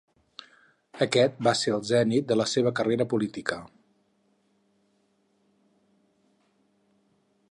Aquest va ser el zenit de la seva carrera política.